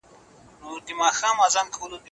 شکر انسان ته د ژوند نوی خوند ورکوي.